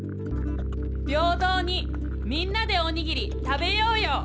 「びょうどうにみんなでおにぎり食べようよ」。